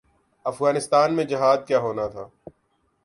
افغانستان میں جہاد کیا ہونا تھا۔